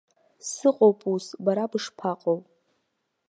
Сыҟоуп ус, бара бышԥаҟоу?